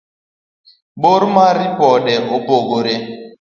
bor mar ripode opogore